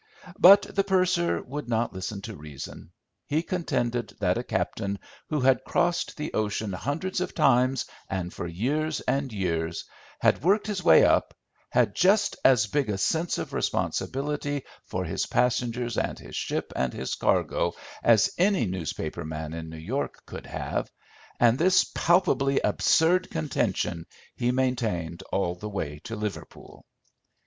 But the purser would not listen to reason. He contended that a captain who had crossed the ocean hundreds of times and for years and years had worked his way up, had just as big a sense of responsibility for his passengers and his ship and his cargo as any newspaper man in New York could have, and this palpably absurd contention he maintained all the way to Liverpool.